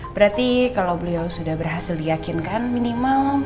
berarti kalau beliau sudah berhasil diyakinkan minimal